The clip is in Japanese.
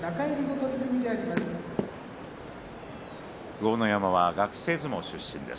豪ノ山は学生相撲出身です。